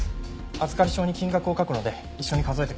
預かり証に金額を書くので一緒に数えてください。